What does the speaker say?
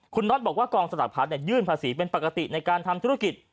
คุณน็อตบอกว่ากองสลักพัดยื่นภาษีเป็นปกติในการทำธุรกิจ